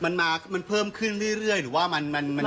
มันมามันเพิ่มขึ้นเรื่อยเรื่อยหรือว่ามันมันยังไงครับ